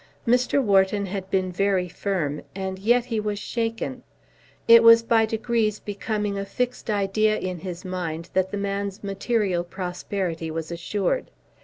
Mr. Wharton had been very firm, and yet he was shaken. It was by degrees becoming a fixed idea in his mind that the man's material prosperity was assured.